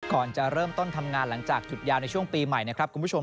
ก่อนจะเริ่มต้นทำงานหลังจากถุดยาวในช่วงปีใหม่